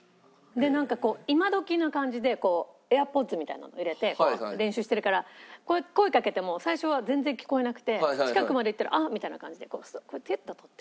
でなんかこう今どきの感じでＡｉｒＰｏｄｓみたいなの入れて練習してるから声かけても最初は全然聞こえなくて近くまで行ったら「あっ！」みたいな感じでピュッと取って。